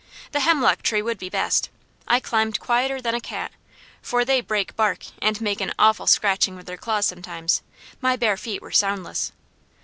The hemlock tree would be best. I climbed quieter than a cat, for they break bark and make an awful scratching with their claws sometimes; my bare feet were soundless.